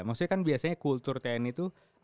maksudnya kan biasanya kultur tni itu